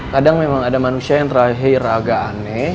kadang memang ada manusia yang terakhir agak aneh